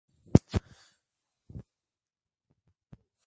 Este tanto fue esencial para la consecución del título.